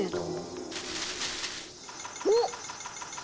おっ！